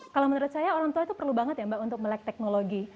kalau menurut saya orang tua itu perlu banget ya mbak untuk melek teknologi